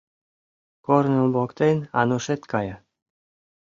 Корно воктен Анушет кая.